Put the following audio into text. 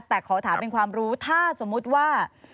แต่ขอถามเป็นความรู้ถ้าสมมุติว่า